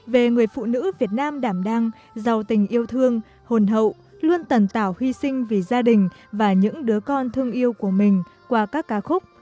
về người phụ nữ việt nam đảm đang giàu tình yêu thương hồn hậu luôn tần tảo huy sinh vì gia đình và những đứa con thương yêu của mình qua các ca khúc